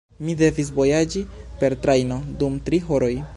Mi devis vojaĝi per trajno dum tri horoj.